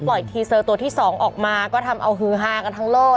ทีเซอร์ตัวที่๒ออกมาก็ทำเอาฮือฮากันทั้งโลก